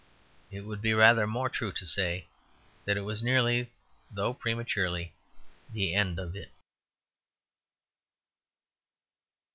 It would be rather more true to say that it was nearly, though prematurely, the end of it.